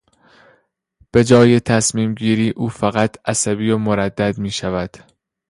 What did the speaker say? به جای تصمیم گیری او فقط عصبی و مردد میشود.